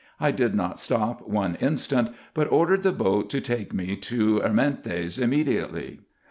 I did not stop one instant, but ordered the boat to take me to Ermentes immediately.